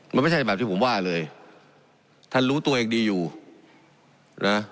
มันไม่ใช่แบบที่ผมว่าเลยท่านรู้ตัวเองดีอยู่นะ